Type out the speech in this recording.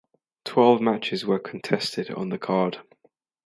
Twelve matches were contested on the card.